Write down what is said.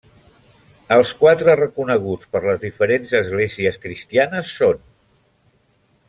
Els quatre reconeguts per les diferents esglésies cristianes són: